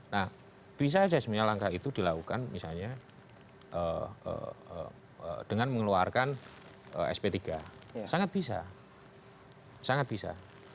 nah bisa saja sebenarnya langkah itu dilakukan misalnya dengan mengeluarkan sp tiga sangat bisa sangat bisa